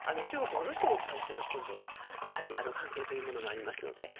中国もロシアに対する今度はやはり関係というものもありますので。